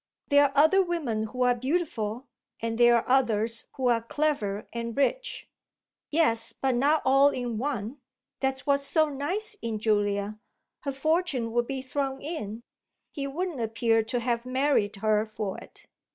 "There are other women who are beautiful, and there are others who are clever and rich." "Yes, but not all in one: that's what's so nice in Julia. Her fortune would be thrown in; he wouldn't appear to have married her for it."